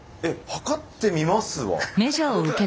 測ってみます。